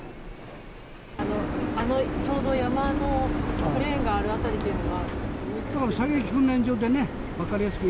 あのちょうど山のクレーンがある辺りは？